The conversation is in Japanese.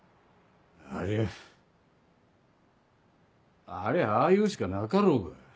あれはあれああ言うしかなかろうが。